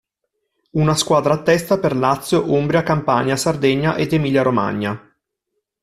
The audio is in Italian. Una squadra a testa per Lazio, Umbria, Campania, Sardegna ed Emilia-Romagna.